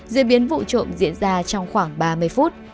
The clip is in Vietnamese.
diễn biến vụ trộm diễn ra trong khoảng ba mươi phút